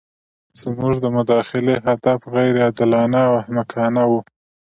زموږ د مداخلې هدف غیر عادلانه او احمقانه وو.